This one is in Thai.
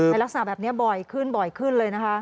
ในลักษณะแบบนี้บ่อยขึ้นเลยนะคะ